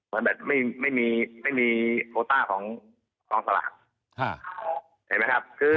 วันแบบไม่มีมีโคต้าของค้างศึกษาละเห็นไหมครับ